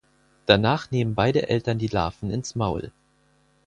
Danach nehmen beide Eltern die Larven ins Maul.